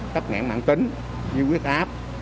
tất cả mạng tính vừa quyết áp